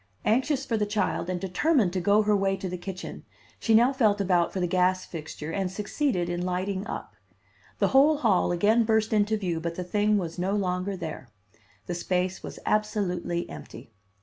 Anxious for the child and determined to go her way to the kitchen, she now felt about for the gas fixture and succeeded in lighting up. The whole hall again burst into view but the thing was no longer there; the space was absolutely empty.